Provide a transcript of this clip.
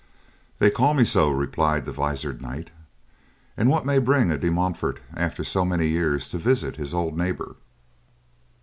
"They call me so," replied the visored knight. "And what may bring a De Montfort after so many years to visit his old neighbor?"